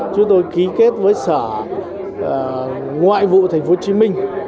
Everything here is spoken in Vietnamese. chúng tôi ký kết với sở ngoại vụ tp hcm